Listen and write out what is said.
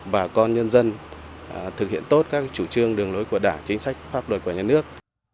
bà con nhân dân thực hiện tốt các chủ trương đường lối của đảng chính sách pháp luật của nhà nước